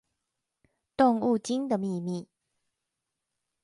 動物精的祕密